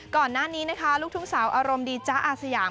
ก่อนหน้านี้นะคะลูกทุ่งสาวอารมณ์ดีจ๊ะอาสยาม